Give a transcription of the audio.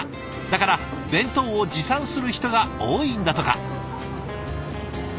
だから弁当を持参する人が多いんだとか。